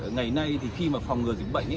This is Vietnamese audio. ngày nay thì khi mà phòng ngừa dịch bệnh